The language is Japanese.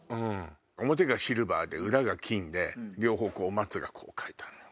表がシルバーで裏が金で両方松が描いてあるの。